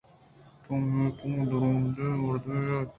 تو اے میتگ ءَدرآمدیں مردمے اِت